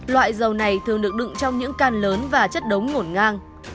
loại dầu này thường được đựng trong những can lớn và chất đống ngổn ngang